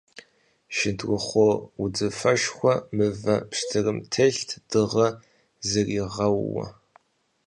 Шындырхъуо удзыфэшхуэр мывэ пщтырым телът дыгъэ зыригъэууэ.